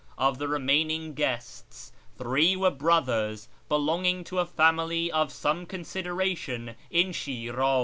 Of the remaining guests, three were brothers belonging to a family of some consideration in Shiraz.